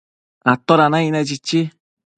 ¿toda naicne?chichi